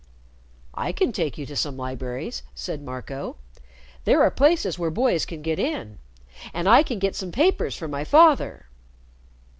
"I can take you to some libraries," said Marco. "There are places where boys can get in. And I can get some papers from my father."